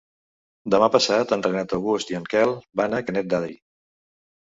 Demà passat en Renat August i en Quel van a Canet d'Adri.